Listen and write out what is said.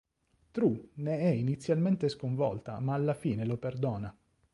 Tru ne è inizialmente sconvolta ma alla fine lo perdona.